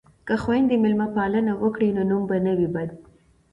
که خویندې میلمه پالنه وکړي نو نوم به نه وي بد.